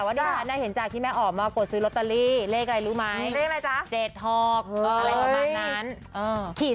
เอาอีกทีเอาอีกทีเอาอีกที